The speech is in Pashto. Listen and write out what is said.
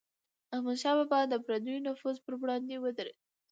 احمدشاه بابا به د پردیو د نفوذ پر وړاندې ودرید.